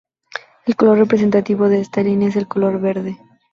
El color representativo de esta línea es el color verde.